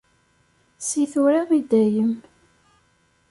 Si tura i dayem.